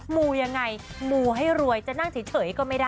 มูยังไงมูให้รวยจะนั่งเฉยก็ไม่ได้